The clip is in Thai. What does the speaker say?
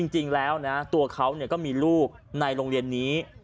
จริงแล้วนะตัวเขาก็มีลูกในโรงเรียนนี้